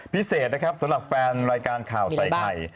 พิเศษนะครับสำหรับแฟนรายการข่าวใส่ไข่